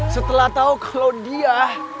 setelah tahu kalau dia